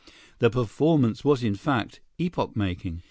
The performance was, in fact, epoch making.